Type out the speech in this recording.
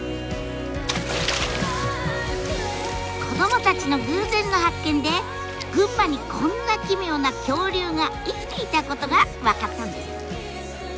子どもたちの偶然の発見で群馬にこんな奇妙な恐竜が生きていたことが分かったんです。